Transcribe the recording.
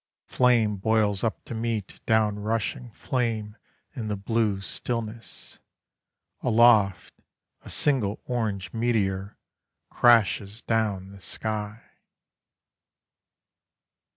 Flame boils up to meet down rushing flame In the blue stillness. Aloft a single orange meteor Crashes down the sky.